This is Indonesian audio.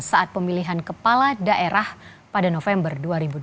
saat pemilihan kepala daerah pada november dua ribu dua puluh